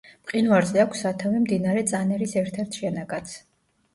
მყინვარზე აქვს სათავე მდინარე წანერის ერთ-ერთ შენაკადს.